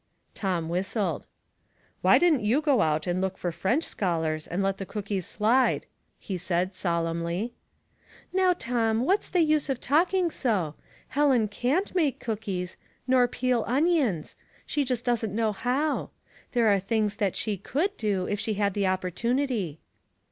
'* Tom whistled. Why didn't you go out and look for French scholars and let the cookies slide," he said, sol emnly. "Now, Tom, what's the use of talking so. Helen canH make cookies, nor peel onions ; she just doesn't know how. There are things that she could do if she had the opportunity."